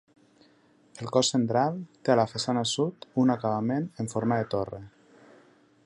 El cos central té a la façana sud un acabament en forma de torre.